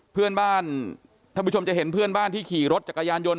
เพื่อนบ้านท่านผู้ชมจะเห็นเพื่อนบ้านที่ขี่รถจักรยานยนต